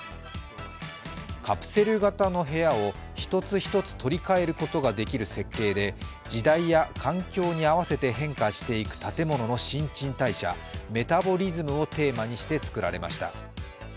カプセル型の部屋を１つ１つ取り替えることができる設計で時代や環境に合わせて変化していく建物の新陳代謝、メタボリズムをテーマにして造られました。